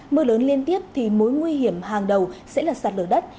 mưa lớn liên tiếp thì mối nguy hiểm hàng đầu sẽ là sạt lở đất